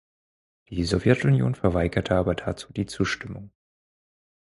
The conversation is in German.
Die Sowjetunion verweigerte aber dazu die Zustimmung.